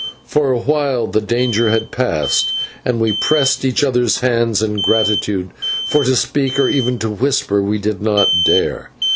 For a while the danger had passed, and we pressed each other's hands in gratitude, for to speak or even to whisper we did not dare.